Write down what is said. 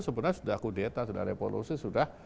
sebenarnya sudah kudeta sudah revolusi sudah